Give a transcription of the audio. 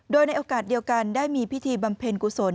โดยในโอกาสเดียวกันได้มีพิธีบำเพ็ญกุศล